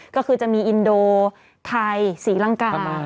ก็คือจะมีอินโดไทยศรีลังกา